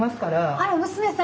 あら娘さん？